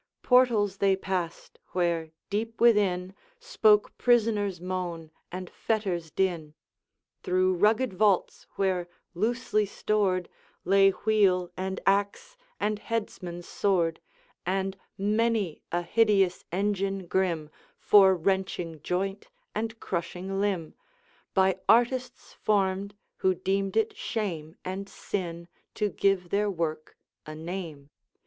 Portals they passed, where, deep within, Spoke prisoner's moan and fetters' din; Through rugged vaults, where, loosely stored, Lay wheel, and axe, and headsmen's sword, And many a hideous engine grim, For wrenching joint and crushing limb, By artists formed who deemed it shame And sin to give their work a name.